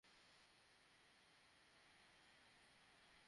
সাগরে ঝাপিয়ে পড়া ছাড়া তাদের আর কোন পথ বা গতি ছিল না।